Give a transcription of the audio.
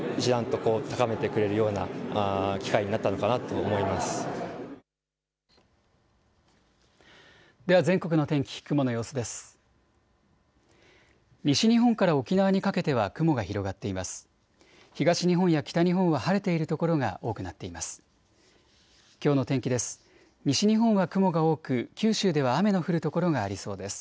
東日本や北日本は晴れている所が多くなっています。